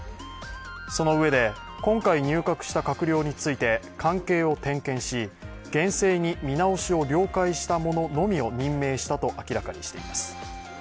そのうえで、今回入閣した閣僚について関係を点検し、厳正に見直しを了解した者のみを任命したと明らかにしています。